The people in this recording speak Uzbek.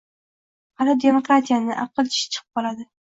— Hali, demokratiyani... aql tishi chiqib qoladi.